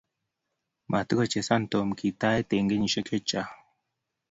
matigochezan Tom kitait eng kenyishiek chechang